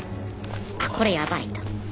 あこれヤバいと。